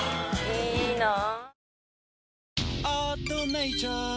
いいなあ。